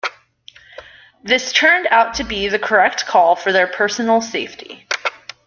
This turned out to be the correct call for their personal safety.